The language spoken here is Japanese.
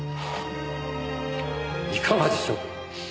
「いかがでしょう？」